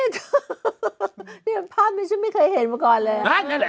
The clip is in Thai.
ที่นี่ภาพที่ฉันไม่เคยเห็นออกแล้ว